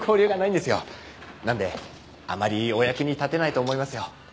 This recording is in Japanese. なのであまりお役に立てないと思いますよ。